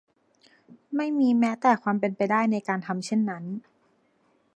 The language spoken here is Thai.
ไม่มีแม้แต่ความเป็นไปได้ในการทำเช่นนั้น